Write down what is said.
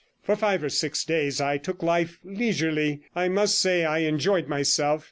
For five or six days I took life leisurely, and I must say I enjoyed myself.